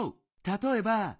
たとえば。